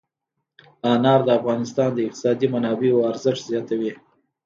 انار د افغانستان د اقتصادي منابعو ارزښت زیاتوي.